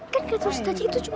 kan gak terus aja itu cuy